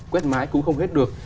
quét mái cũng không hết được